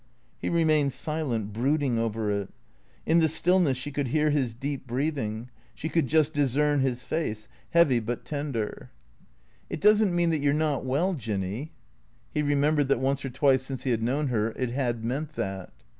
He remained silent, brooding over it. In the stillness she could hear his deep breathing; she could just discern his face, heavy but tender. 284 T H E C E E A T 0 R S " It does n't mean that you 're not well, Jinny ?'^ He remem bered that once or twice since he had known her it had meant that.